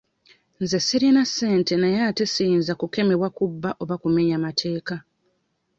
Nze sirina ssente naye ate siyinza kukemebwa kubba oba okumenya amateeka.